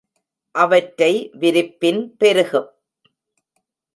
அவற்றை விரிப்பின் பெருகும்.